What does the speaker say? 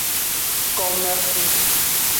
Komexu.